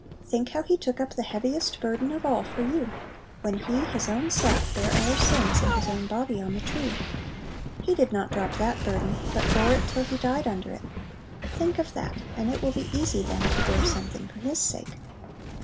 Think how He took up the heaviest burden of all for you, when He "His own self bare our sins in His own body on the tree!" He did not drop that burden, but bore it till He died under it. Think of that, and it will be easy then to bear something for His sake.